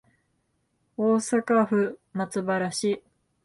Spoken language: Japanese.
大阪府松原市